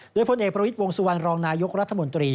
ด้วยพลเอกประวิทวงศ์สุวรรณรองนายุครัฐมนตรี